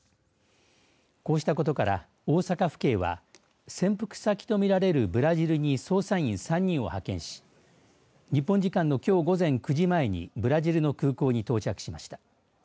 こうしたことから大阪府警は潜伏先と見られるブラジルに捜査員３人を派遣し日本時間のきょう午前９時前にブラジルの空港に到着しました。